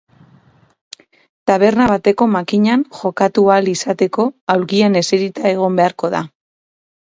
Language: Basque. Taberna bateko makinan jokatu ahal izateko aulkian eserita egon beharko da.